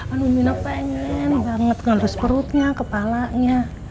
anu mina pengen banget garis perutnya kepalanya